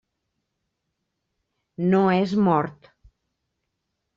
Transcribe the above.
No és mort.